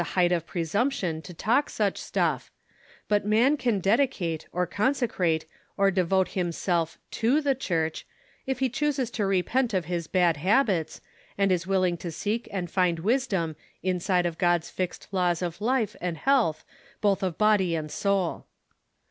55 height of presumption to talk such stuff; but man can dedicate, or cousecrate, or devote himself to "The Church," if he cliooses to repent of his bad habits, and is willing to seek and find wisdom inside of God's fixed laws of life and liealth both of body and soul.